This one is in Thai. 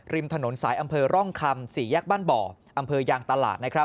ริมถนนสายอำเภอร่องคำ๔แยกบ้านบ่ออำเภอยางตลาด